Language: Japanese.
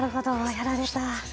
やられた。